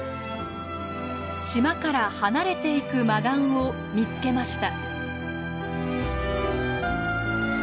島から離れていくマガンを見つけました。